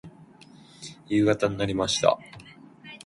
夕方になりました。